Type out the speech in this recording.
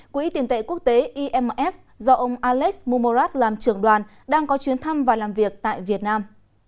quỹ tiền tệ quốc tế imf do ông alex mumorat làm trưởng đoàn đang có chuyến thăm và làm việc tại việt nam